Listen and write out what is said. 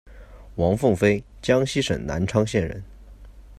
王凤飞，江西省南昌县人。